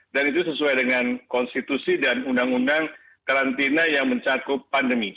dan itu sesuai dengan konstitusi dan undang undang karantina yang mencakup pandemi